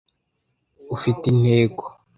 Ufite intego .